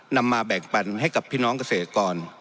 นำมาแบ่งปันให้กับพี่น้องเกษตรกร